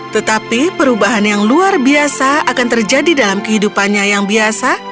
tetapi perubahan yang luar biasa akan terjadi dalam kehidupannya yang biasa